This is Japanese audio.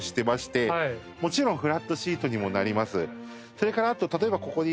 それからあと例えばここに。